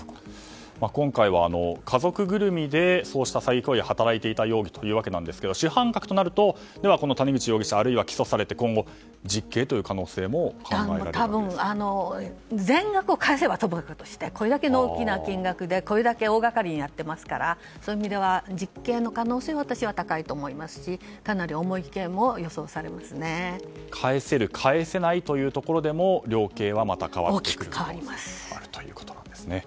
今回は家族ぐるみでそうした詐欺行為を働いていた容疑というわけですが主犯格となると谷口容疑者あるいは起訴されて今後実刑という可能性も多分、全額返せばともかくとしてこれだけの大きな金額でこれだけ大掛かりにやっていますからそういう意味では実刑の可能性はかなり高いと思いますし返せる返せないというところでも量刑はまた変わってくると。